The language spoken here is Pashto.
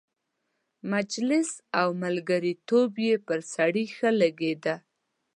مجلس او ملګرتوب یې پر سړي ښه لګېده.